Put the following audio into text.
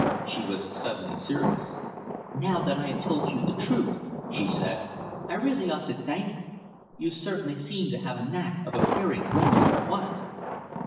She was suddenly serious. "Now that I have told you the truth," she said, "I really ought to thank you. You certainly seem to have a knack of appearing when you are wanted."